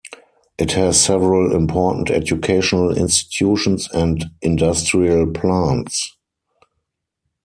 It has several important educational institutions and industrial plants.